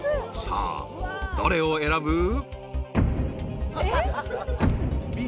さあどれを選ぶ？］